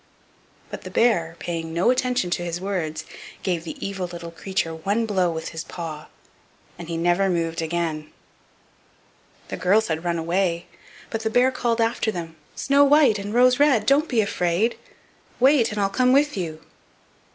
But the bear, paying no attention to his words, gave the evil little creature one blow with his paw, and he never moved again. The girls had run away, but the bear called after them: "Snow white and Rose red, don't be afraid; wait, and I'll come with you."